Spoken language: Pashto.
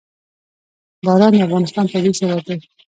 باران د افغانستان طبعي ثروت دی.